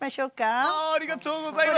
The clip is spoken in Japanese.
ありがとうございます！